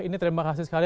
ini terima kasih sekali